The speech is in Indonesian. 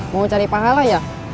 mau cari pahala ya